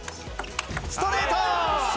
ストレート！